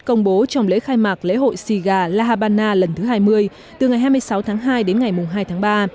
công bố trong lễ khai mạc lễ hội xì gà la habana lần thứ hai mươi từ ngày hai mươi sáu tháng hai đến ngày hai tháng ba